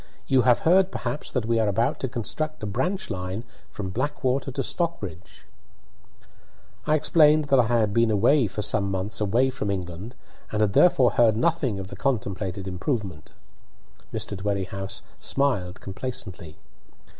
You have heard perhaps that we are about to construct a branch line from Blackwater to Stockbridge." I explained that I had been for some months away from England, and had therefore heard nothing of the contemplated improvement. Mr. Dwerrihouse smiled complacently.